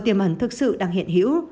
nguy cơ tiềm ẩn thực sự đang hiện hữu